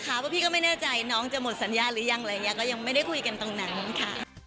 เพราะพี่ก็ไม่แน่ใจน้องจะหมดสัญญาหรือยังอะไรอย่างนี้ก็ยังไม่ได้คุยกันตรงนั้นค่ะ